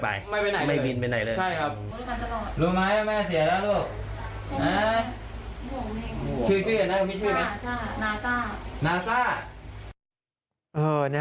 ไม่ไปไหนเลยใช่ครับรู้ไหมแม่เสียแล้วลูกนะครับชื่อน่ะมีชื่อไหม